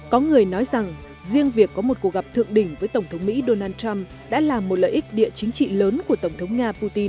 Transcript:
có người nói rằng riêng việc có một cuộc gặp thượng đỉnh với tổng thống mỹ donald trump đã là một lợi ích địa chính trị lớn của tổng thống nga putin